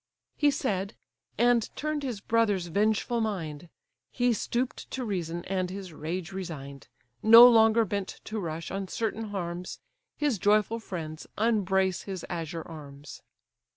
He said, and turn'd his brother's vengeful mind; He stoop'd to reason, and his rage resign'd, No longer bent to rush on certain harms; His joyful friends unbrace his azure arms.